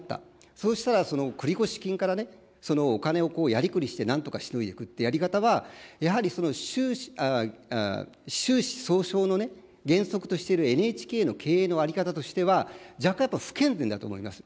そうしたら、その繰越金から、そのお金をやりくりして、なんとかしのいでいくというやり方は、やはりその収支相償の原則としているＮＨＫの経営の在り方としては、若干やっぱり不健全だと思います。